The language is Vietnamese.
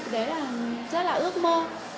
đấy là rất là ước mơ